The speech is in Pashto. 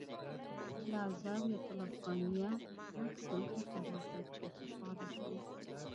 د الزاویة الافغانیه عکس مخې ته راغی چې خوشاله شوم.